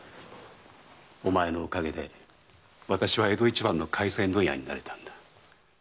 お前のおかげで私は江戸一番の廻船問屋になれたんだ。